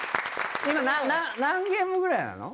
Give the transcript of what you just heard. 今何ゲームぐらいなの？